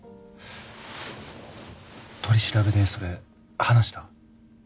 取り調べでそれ話した？